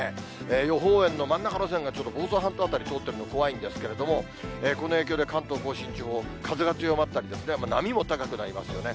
予報円の真ん中の線が、ちょっと房総半島辺り通ってるので怖いんですけども、この影響で関東甲信地方、風が強まったり、波も高くなりますよね。